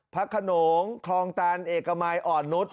พักขนมคลองตันเอกมายอ่อนนด